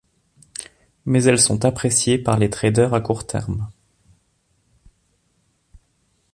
Mais elles sont appréciées par les traders à court terme.